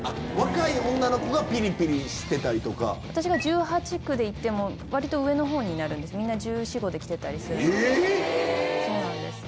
若い女の子がぴりぴりしてた私が１８、９でいっても、わりと上のほうになるんです、みんな１４、５で来てたりするので。